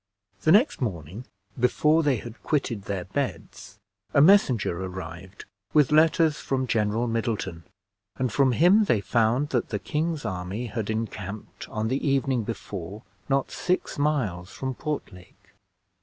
The next morning, before they had quitted their beds, a messenger arrived with letters from General Middleton, and from him they found that the king's army had encamped on the evening before not six miles from Portlake.